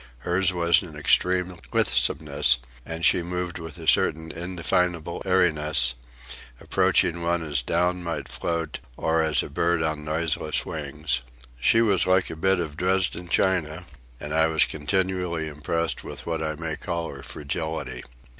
Hers was an extreme lithesomeness, and she moved with a certain indefinable airiness, approaching one as down might float or as a bird on noiseless wings. She was like a bit of Dresden china, and I was continually impressed with what I may call her fragility.